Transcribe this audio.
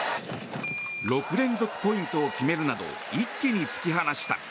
６連続ポイントを決めるなど一気に突き放した。